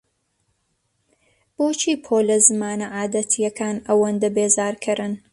بۆچی پۆلە زمانە عادەتییەکان ئەوەندە بێزارکەرن؟